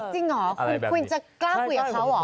คุณจะกล้าคุยกับเขาหรอ